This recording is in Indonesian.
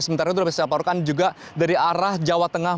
sementara itu bisa diaporkan juga dari arah jawa tengah